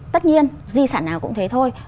tất nhiên di sản nào cũng thế thôi